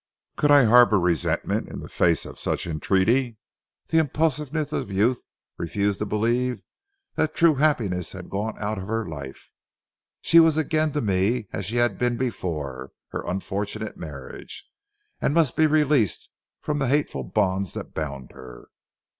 Could I harbor resentment in the face of such entreaty? The impulsiveness of youth refused to believe that true happiness had gone out of her life. She was again to me as she had been before her unfortunate marriage, and must be released from the hateful bonds that bound her.